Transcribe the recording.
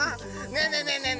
ねえねえねえねえ！